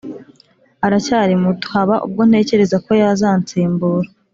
aracyari muto haba ubwo ntekereza ko yazansimbura